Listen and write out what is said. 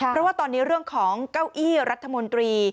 เพราะว่าตอนนี้เรื่องของเก้าอี้รัฐมนตรี